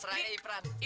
seraya ipan ini